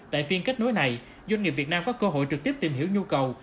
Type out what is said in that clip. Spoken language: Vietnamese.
tại phiên kết nối này doanh nghiệp việt nam có cơ hội trực tiếp tìm hiểu nhu cầu